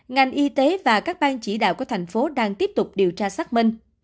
ngành y tế và các bang chỉ đạo của thành phố đang tiếp tục điều tra xác minh